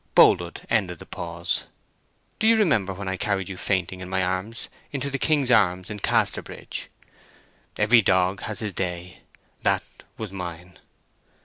Boldwood ended the pause. "Do you remember when I carried you fainting in my arms into the King's Arms, in Casterbridge? Every dog has his day: that was mine."